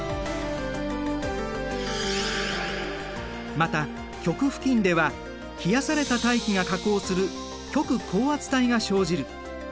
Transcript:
また極付近では冷やされた大気が下降する極高圧帯が生じる。